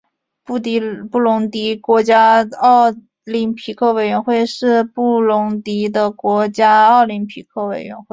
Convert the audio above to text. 布隆迪国家奥林匹克委员会是布隆迪的国家奥林匹克委员会。